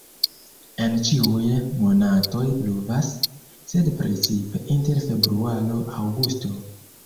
En ĉiuj monatoj pluvas, sed precipe inter februaro-aŭgusto.